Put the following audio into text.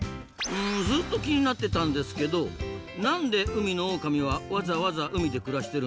うんずっと気になってたんですけど何で海のオオカミはわざわざ海で暮らしてるんですか？